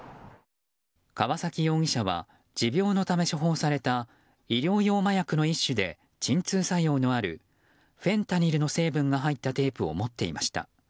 川崎容疑者は持病のため処方された医療用麻薬の一種で鎮痛作用のあるフェンタニルの成分が入ったテープを持っていました。